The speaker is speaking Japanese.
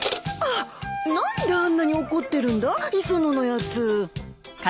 何であんなに怒ってるんだ磯野のやつ。